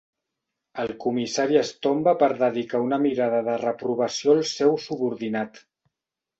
El comissari es tomba per dedicar una mirada de reprovació al seu subordinat.